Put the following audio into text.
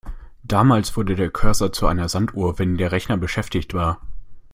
Damals wurde der Cursor zu einer Sanduhr, wenn der Rechner beschäftigt war.